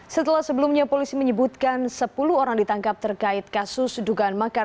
setelah sebelumnya polisi menyebutkan sepuluh orang ditangkap terkait kasus dugaan makar